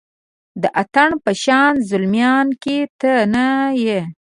د اتڼ په شاه زلمیانو کې ته نه یې